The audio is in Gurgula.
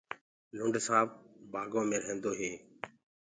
لُنڊ سآنپ بآگو مي رهيندو هي۔